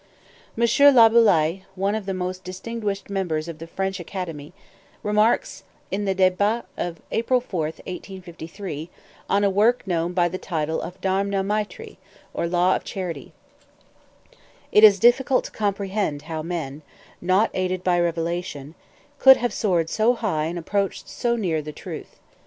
M. Laboulaye, one of the most distinguished members of the French Academy, remarks, in the Débats of April 4, 1853, on a work known by the title of "Dharmna Maitrî," or "Law of Charity": "It is difficult to comprehend how men, not aided by revelation, could have soared so high and approached so near the truth.